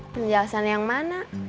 penjelasan yang mana